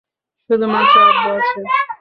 শুধুমাত্র আব্বু আছে।